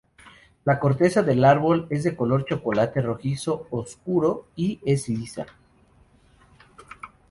La corteza del árbol es de color chocolate rojizo oscuro y es lisa.